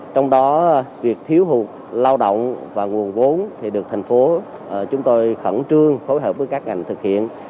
trong đó việc thiếu hụt lao động và nguồn vốn được thành phố chúng tôi khẩn trương phối hợp với các ngành thực hiện